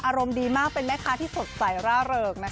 อารมณ์ดีมากเป็นแม่ค้าที่สดใสร่าเริงนะคะ